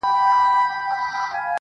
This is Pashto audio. ماسومان بيا هم پوښتني کوي تل,